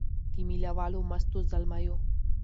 د مېله والو مستو زلمیو